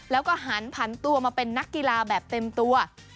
แล้วก็หันผันตัวมาเป็นนักกีฬาแบบเต็มตัว